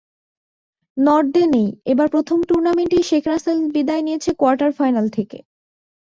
নর্দে নেই, এবার প্রথম টুর্নামেন্টেই শেখ রাসেল বিদায় নিয়েছে কোয়ার্টার ফাইনাল থেকে।